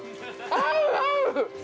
合う合う！